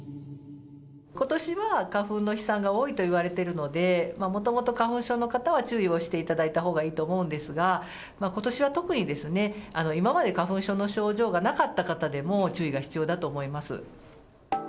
ことしは花粉の飛散が多いといわれてるので、もともと花粉症の方は注意をしていただいたほうがいいと思うんですが、ことしは特に、今まで花粉症の症状がなかった方でも注意が必要だと思います。